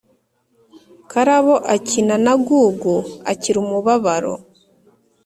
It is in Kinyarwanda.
Karabo akina na Gugu akira umubabaro